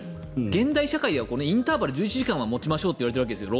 現代社会ではインターバル１１時間は持ちましょうと言われているわけですよ。